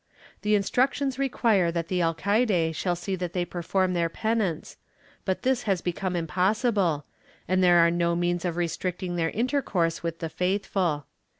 The Instruc tions require that the alcaide shall see that they perform their penance, but this has become impossible, and there are no means of restricting their intercourse with the faithful.